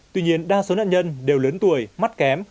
tuy nhiên đa số nạn nhân đều lớn tuổi mắt kém